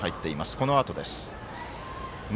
このあとです。